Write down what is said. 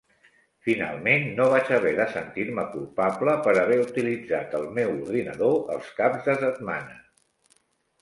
Finalment, no vaig haver de sentir-me culpable per haver utilitzat el meu ordinador els caps de setmana.